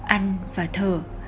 ăn và thở